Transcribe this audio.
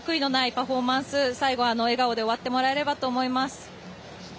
パフォーマンス最後、笑顔で終わってもらえればと思います。